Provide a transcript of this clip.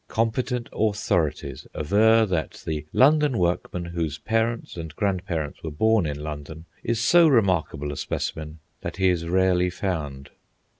Competent authorities aver that the London workman whose parents and grand parents were born in London is so remarkable a specimen that he is rarely found.